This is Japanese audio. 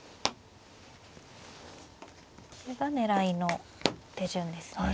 これが狙いの手順ですね。